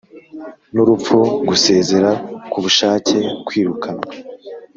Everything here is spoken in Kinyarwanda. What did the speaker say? N urupfu gusezera k ubushake kwirukanwa